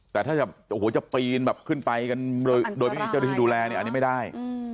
แต่ถ้าแบบโหว๊จะปีนแบบขึ้นไปโดยนี้เจ้าหน้าที่ดูแลเนี่ยอันนี้ไม่ได้